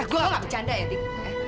gue gak bercanda ya tik